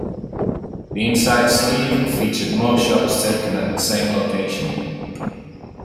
The inside sleeve featured more shots taken at the same location.